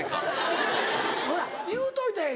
ほな言うといたらええ